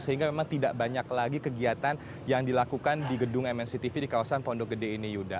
sehingga memang tidak banyak lagi kegiatan yang dilakukan di gedung mnctv di kawasan pondok gede ini yuda